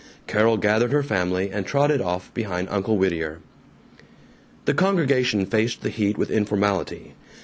Carol gathered her family and trotted off behind Uncle Whittier. The congregation faced the heat with informality.